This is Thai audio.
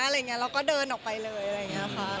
แล้วก็เดินออกไปเลยค่ะ